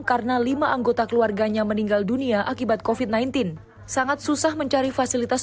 karena lima anggota keluarganya meninggal dunia akibat kofit sembilan belas sangat susah mencari fasilitas